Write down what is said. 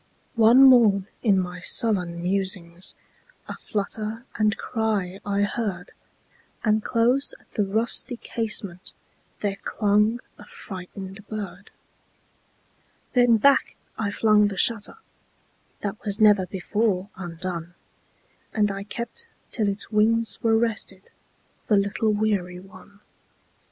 One morn, in my sullen musings,A flutter and cry I heard; And close at the rusty casementThere clung a frightened bird. Then back I flung the shutterThat was never before undone, And I kept till its wings were restedThe little weary one.